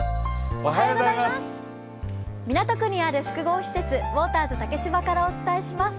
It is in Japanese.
港区にある複合施設、ウォーターズ竹芝からお伝えします。